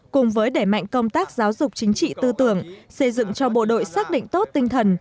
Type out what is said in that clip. cùng với đẩy mạnh công tác giáo dục chính trị tư tưởng xây dựng cho bộ đội xác định tốt tinh thần